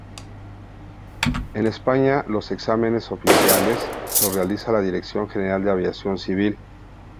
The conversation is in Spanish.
En España los exámenes oficiales los realiza la Dirección General de Aviación Civil.